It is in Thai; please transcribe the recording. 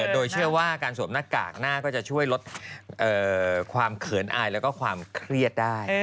โดยเชื่อว่าการสวมหน้ากากหน้าก็จะช่วยลดความเขินอายแล้วก็ความเครียดได้